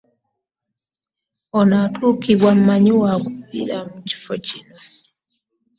Ono atuukibwa mmanyi waakubiri mu kifo kino.